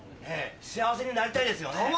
幸せになりたいですよね？